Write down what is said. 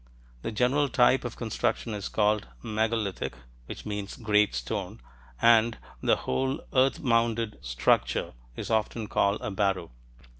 The general type of construction is called "megalithic" (= great stone), and the whole earth mounded structure is often called a barrow.